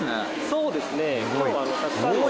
そうですね。